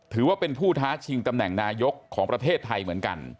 ถือว่าเป็นผู้ท้าชิงตำแหน่งนายกของประเทศไทยเหมือนกัน